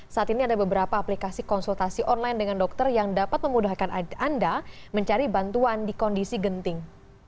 saat ini ada beberapa aplikasi konsultasi online dengan dokter yang dapat memudahkan anda mencari bantuan di kondisi genting